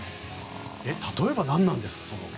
例えば、何なんですか？